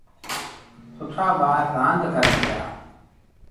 سُٺآ ٻآر رآند ڪريݩ پيٚآ۔